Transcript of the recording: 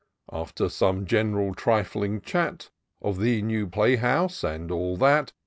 After some gen'ral trifling chat Of the new playhouse, and all that.